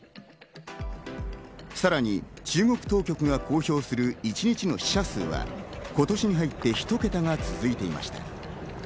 さらに、中国当局が公表する一日の死者数は今年に入って１桁が続いていました。